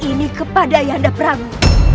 ini kepada yanda pramu